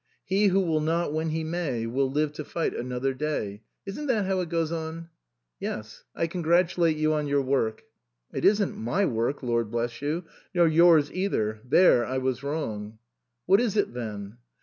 " He who will not when he may, will live to fight another day ; isn't that how it goes on ?"" Yes ; I congratulate you on your work." " It isn't my work, lord bless you ! nor yours either there I was wrong." "What is it then?"